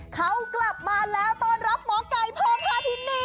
เขากลับมาแล้วต้อนรับหมอไก่พ่อพาทินี